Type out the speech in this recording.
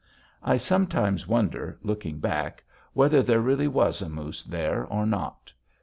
I sometimes wonder, looking back, whether there really was a moose there or not.